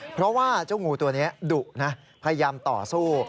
เพราะว่าเจ้างูตัวนี้ดุนะพยายามต่อสู้